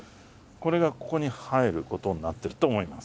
これがここに入ることになってると思います。